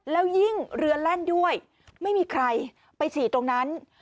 แล้วยิ่งเรือแล่นด้วยไม่มีใครไปฉี่ตรงนั้น